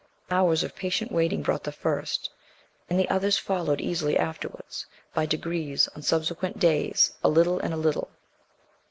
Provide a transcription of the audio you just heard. Hours of patient waiting brought the first, and the others followed easily afterwards, by degrees, on subsequent days, a little and a little.